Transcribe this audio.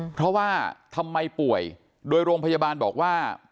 เพราะว่าทำไมป่วยโดยโรงพยาบาลบอกว่า